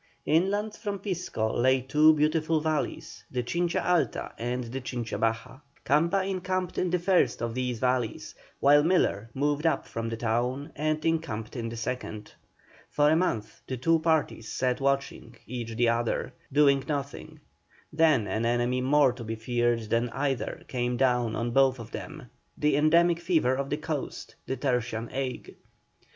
Inland from Pisco lay two beautiful valleys, the Chincha Alta and the Chincha Baja. Camba encamped in the first of these valleys, while Miller moved up from the town and encamped in the second. For a month the two parties sat watching, each the other, nothing doing, then an enemy more to be feared than either came down on both of them, the endemic fever of the coast, the tertian ague.